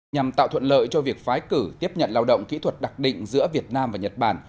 nhằm tạo thuận lợi cho việc phái cử tiếp nhận lao động kỹ thuật đặc định giữa việt nam và nhật bản